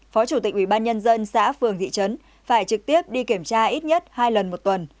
phó chủ tịch ubnd xã phường thị trấn phải trực tiếp đi kiểm tra ít nhất hai lần một tuần